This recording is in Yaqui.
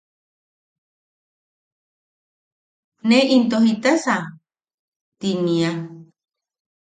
“¿ne into jaisa?” ti nia.